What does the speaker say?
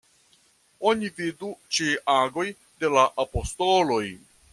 Oni vidu ĉe Agoj de la Apostoloj.